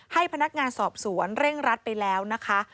ให้พนักงานสอบสวนเร่งรัดไปแล้วนะคะ